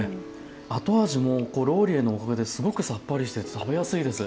後味もローリエのおかげですごくさっぱりしてて食べやすいです。